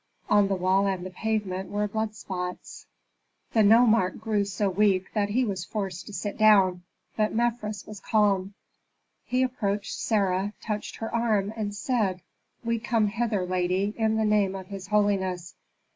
On the wall and the pavement were blood spots. The nomarch grew so weak that he was forced to sit down, but Mefres was calm. He approached Sarah, touched her arm, and said, "We come hither, lady, in the name of his holiness."